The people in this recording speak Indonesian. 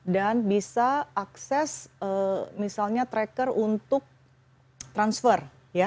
dan bisa akses misalnya tracker untuk transfer